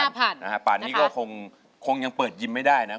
ป่านนี้ก็คงยังเปิดยิมไม่ได้นะ